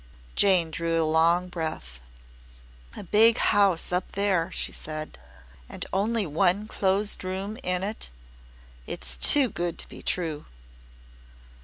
Jane drew a long breath. "A big house up there," she said. "And only one closed room in it. It's too good to be true!"